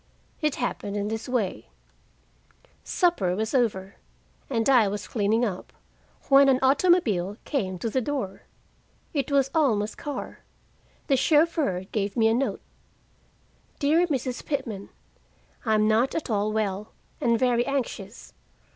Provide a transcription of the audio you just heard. It happened in this way: Supper was over, and I was cleaning up, when an automobile came to the door. It was Alma's car. The chauffeur gave me a note: "DEAR MRS PITMAN I am not at all well, and very anxious.